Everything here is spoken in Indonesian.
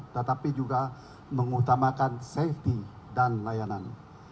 tetapi juga mengutamakan safety dan layanan